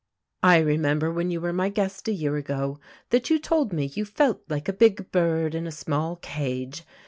I remember when you were my guest a year ago that you told me you felt like a big bird in a small cage.